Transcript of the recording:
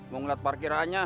mau ngeliat parkirannya